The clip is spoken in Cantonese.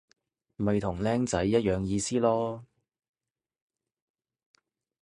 咪同僆仔一樣意思囉